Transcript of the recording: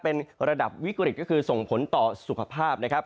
เป็นระดับวิกฤตก็คือส่งผลต่อสุขภาพนะครับ